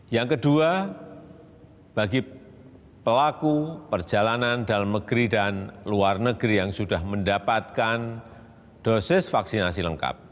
yang kedua bagi pelaku perjalanan dalam negeri dan luar negeri yang sudah mendapatkan dosis vaksinasi lengkap